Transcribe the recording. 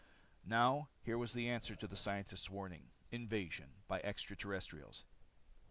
Now here was the answer to the scientists' warning. Invasion by extra terrestrials.